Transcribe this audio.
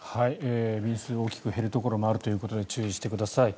便数が大きく減るところもあるということで注意してください。